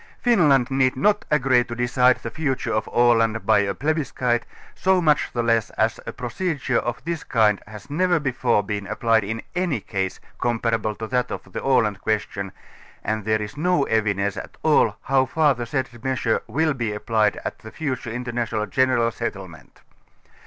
Finland need not agree to decide the future of. Aland by a plebiscite, so much the less, as a procedure of this kind has never befors been applied in any case, comparable to that of the Aland question and there is no evidence at all how far the said measure will be applied at the future interna tional general settlement.